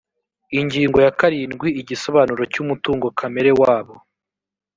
ingingo ya karindwi igisobanuro cy umutungo kamere wabo